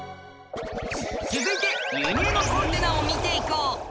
続いて輸入のコンテナを見ていこう。